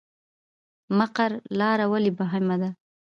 مقر لاره ولې مهمه ده؟